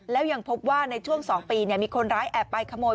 แล้วยังพบว่าในช่วง๒ปีมีคนร้ายแอบไปขโมย